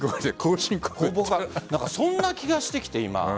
そんな気がしてきて、今。